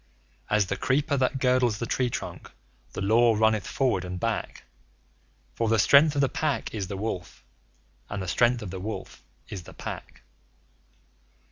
As the creeper that girdles the tree trunk the Law runneth forward and back For the strength of the Pack is the Wolf, and the strength of the Wolf is the Pack.